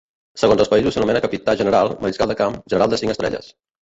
Segons els països s'anomena capità general, mariscal de camp, general de cinc estrelles.